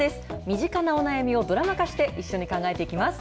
身近なお悩みをドラマ化して、一緒に考えていきます。